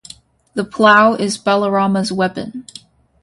The plow is Balarama's weapon.